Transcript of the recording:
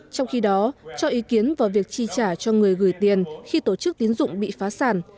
trong khi đó cho ý kiến vào việc chi trả cho người gửi tiền khi tổ chức tín dụng bị phá sản